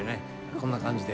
こんな感じで。